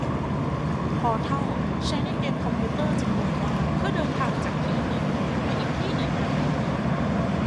พอร์ทัลใช้ในเกมคอมพิวเตอร์จำนวนมากเพื่อเดินทางจากที่หนึ่งไปอีกที่หนึ่งทันที